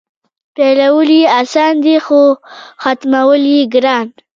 پیلول یې اسان دي خو ختمول یې ګران.